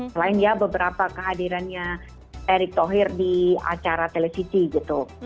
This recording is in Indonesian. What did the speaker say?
selain ya beberapa kehadirannya erick thohir di acara televisi gitu